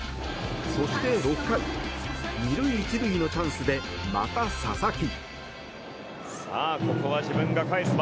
そして６回、２塁１塁のチャンスでまた佐々木。